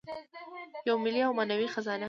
یوه ملي او معنوي خزانه.